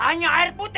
hanya air putih